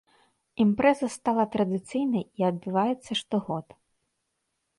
Імпрэза стала традыцыйнай і адбываецца штогод.